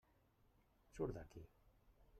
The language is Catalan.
Surt d'aquí!